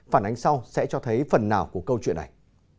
phản ánh sau sẽ cho thấy phần nào của câu chuyện này